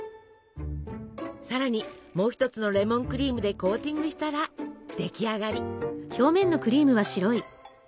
さらにもう一つのレモンクリームでコーティングしたら出来上がり！